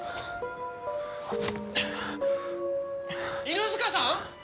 犬塚さん！？